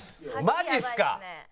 マジっすか？